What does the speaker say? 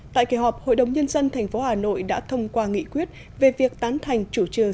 tại kỳ họp hội đồng nhân dân tp hà nội đã thông qua nghị quyết về việc tán thành chủ trương